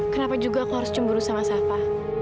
kenapa juga aku harus cemburu sama safa